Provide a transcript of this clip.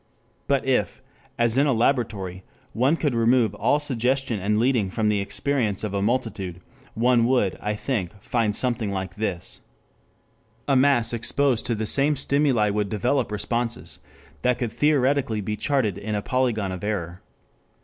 But if, as in a laboratory, one could remove all suggestion and leading from the experience of a multitude, one would, I think, find something like this: A mass exposed to the same stimuli would develop responses that could theoretically be charted in a polygon of error.